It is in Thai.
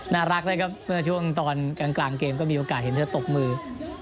น่ารักนะครับเมื่อช่วงตอนกลางเกมก็มีโอกาสเห็นเธอตบมือ